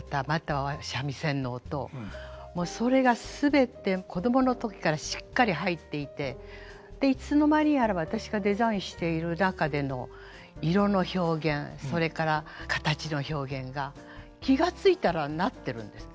もうそれが全て子供の時からしっかり入っていてでいつの間にやら私がデザインしている中での色の表現それから形の表現が気が付いたらなってるんです。